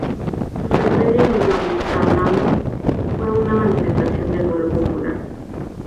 Su sepelio en Guantánamo fue una manifestación de duelo popular.